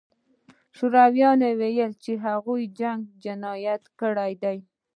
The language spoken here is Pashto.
شورویانو ویل چې هغوی جنګي جنایتونه کړي دي